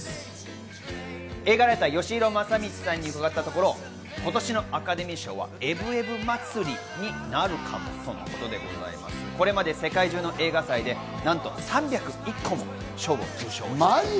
映画ライター・よしひろまさみちさんに伺ったところ、今年のアカデミー賞はエブエブ祭りになるかもとのことで、これまで世界中の映画祭でなんと３０１個も賞を受賞しています。